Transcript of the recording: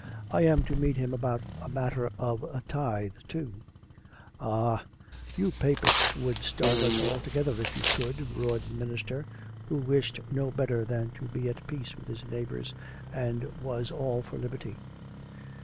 " I am to meet him about a matter of a tithe too !"" Ah ! you Papists would starve us altogether if you could," roared the minister, who wished no better than to be at peace with his neighbours, and was all for liberty.